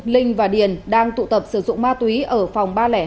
linh và điền đang tụ tập sử dụng ma túy ở phòng ba trăm linh hai